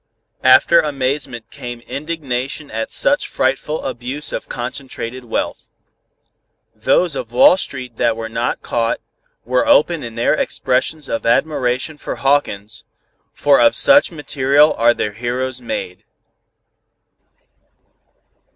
After amazement came indignation at such frightful abuse of concentrated wealth. Those of Wall Street that were not caught, were open in their expressions of admiration for Hawkins, for of such material are their heroes made.